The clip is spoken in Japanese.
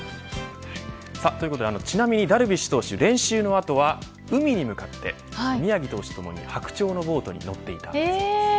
ということでちなみにダルビッシュ投手練習のあとは海に向かって宮城投手と一緒に白鳥のボートに乗っていたそうです